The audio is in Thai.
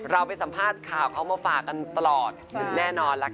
เราไปสัมภาษณ์ข่าวเขามาฝากกันตลอดแน่นอนล่ะค่ะ